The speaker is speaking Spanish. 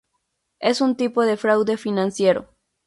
Es un tipo de fraude financiero.